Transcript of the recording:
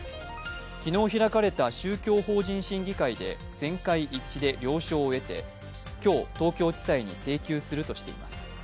昨日、開かれた宗教法人審議会で全会一致で了承を得て、今日、東京地裁に請求するとしています。